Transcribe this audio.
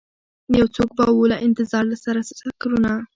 یوڅوک به ووله انتظاره لکه سره سکروټه